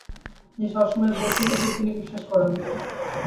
তিনি সবসময়ই বলতেন, এসব তিনি বিশ্বাস করেন না।